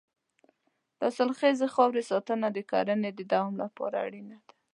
د حاصلخیزې خاورې ساتنه د کرنې د دوام لپاره اړینه ده.